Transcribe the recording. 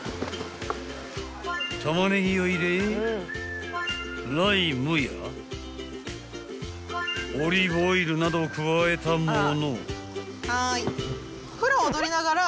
［玉ねぎを入れライムやオリーブオイルなどを加えたもの］